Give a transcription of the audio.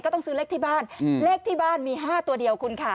ต้องซื้อเลขที่บ้านเลขที่บ้านมี๕ตัวเดียวคุณค่ะ